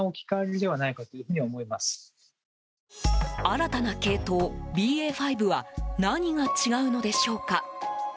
新たな系統ＢＡ．５は何が違うのでしょうか。